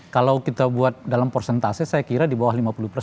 kalau kita buat dalam persentase saya kira di bawah lima puluh persen